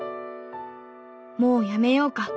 もうやめようか。